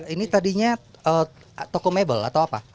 ini tadinya toko mebel atau apa